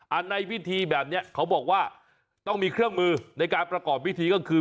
ในพิธีแบบนี้เขาบอกว่าต้องมีเครื่องมือในการประกอบพิธีก็คือ